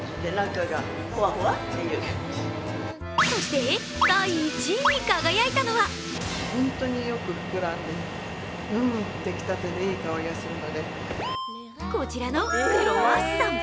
そして第１位に輝いたのはこちらのクロワッサン。